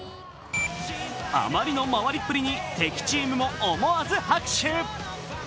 あまりの回りっぷりに敵チームも思わず拍手。